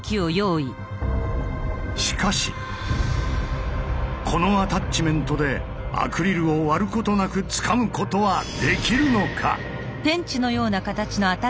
しかしこのアタッチメントでアクリルを割ることなくつかむことはできるのか。